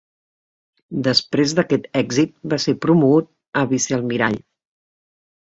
Després d'aquest èxit, va ser promogut a vicealmirall.